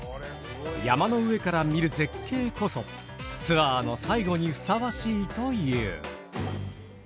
山の上から見る絶景こそツアーの最後にふさわしいという。